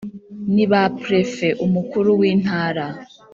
-ni ba prefe (umukuru w’intara)